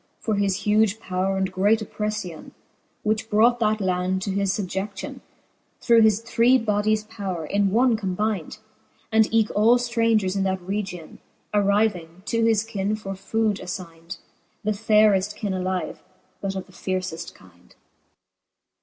For his huge powre and great oppreffion, Whichbrought that land to that fubje6iion, Through his three bodies powre, in one combynd j And eke all ftrangers in that region Arryving, to his kyne for food affyne ; The fayreft kyne alive, but of the lierceft kynd.